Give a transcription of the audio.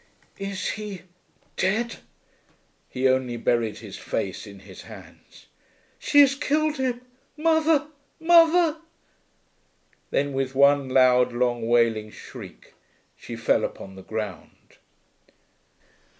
"Is he dead?" He only buried his face in his hands. "She has killed him! Mother mother!" Then, with one loud long wailing shriek, she fell upon the ground.